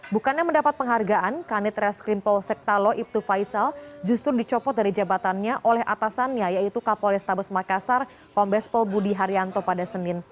bukannya mendapat penghargaan kanit reskrim pol sekta lo ibtu faisal justru dicopot dari jabatannya oleh atasannya yaitu kapol estabes makassar pombes pol budi haryanto pada senin